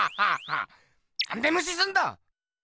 なんでむしすんだ！